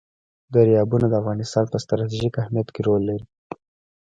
دریابونه د افغانستان په ستراتیژیک اهمیت کې رول لري.